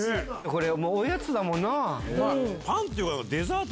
これおやつだもんなぁ。